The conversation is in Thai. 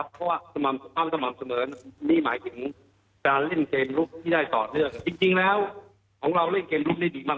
พร้อมสมองเสมอนนี่หมายถึงการเล่นเกมรุ่นที่ได้ตอบเรื่องจริงแล้วของเราเล่นเกมรุ่นได้ดีมาก